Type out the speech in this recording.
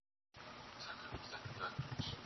vivutio vya utalii vinasaidia kuongeza pato la taifa